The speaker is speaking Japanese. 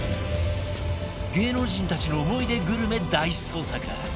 芸能人たちの思い出グルメ大捜索！